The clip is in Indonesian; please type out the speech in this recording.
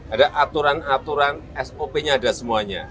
ada aturan aturan sop nya ada semuanya